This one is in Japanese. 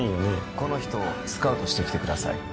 この人をスカウトして来てください。